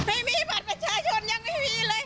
ไม่มีบัตรประชาชนยังไม่มีเลย